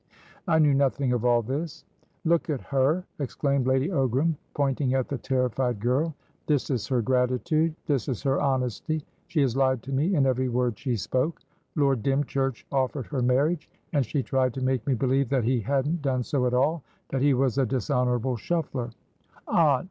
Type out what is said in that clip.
"I knew nothing of all this." "Look at her!" exclaimed Lady Ogram, pointing at the terrified girl. "This is her gratitude; this is her honesty. She has lied to me in every word she spoke! Lord Dymchurch offered her marriage, and she tried to make me believe that he hadn't done so at all, that he was a dishonourable shuffler" "Aunt!"